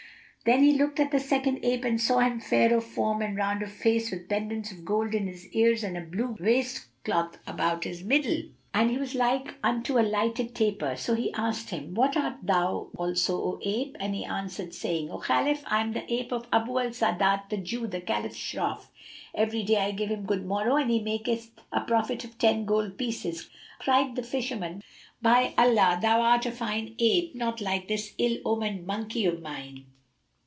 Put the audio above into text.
Then he looked at the second ape and saw him fair of form and round of face with pendants of gold in his ears and a blue waistcloth about his middle, and he was like unto a lighted taper. So he asked him, "What art thou, thou also, O ape?"; and he answered, saying, "O Khalif, I am the ape of Abú al Sa'ádát the Jew, the Caliph's Shroff. Every day, I give him good morrow, and he maketh a profit of ten gold pieces." Cried the Fisherman, "By Allah, thou art a fine ape, not like this ill omened monkey o' mine!"